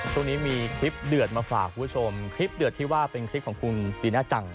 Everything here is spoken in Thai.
ช่วงนี้มีคลิปเดือดมาฝากคุณผู้ชมคลิปเดือดที่ว่าเป็นคลิปของคุณตีน่าจัง